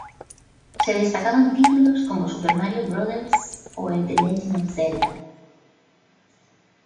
Se destacaban títulos como Super Mario brothers o el The Legend of Zelda.